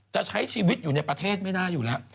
จะใช้ชีวิตอยู่ในประเทศไม่น่าอยู่แล้ว